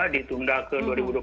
ditunda ke dua ribu dua puluh